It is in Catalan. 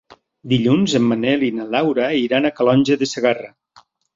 Dilluns en Manel i na Laura iran a Calonge de Segarra.